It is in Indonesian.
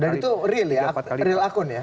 dan itu real ya real akun ya